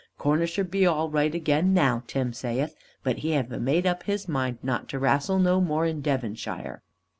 Cornisher be all right again now, Tim saith, but he have a made up his mind not to wrastle no more in Devonshire.